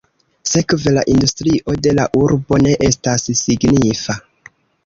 Sekve la industrio de la urbo ne estas signifa.